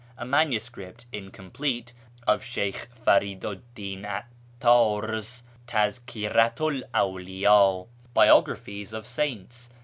A manuscript (incomplete) of Sheykh Fari'du 'd Din 'Attar's Tazhiratu 'l Av:liyd (" Biographies of Saints